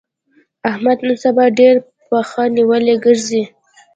احمد نن سبا ډېر پښه نيولی ګرځي.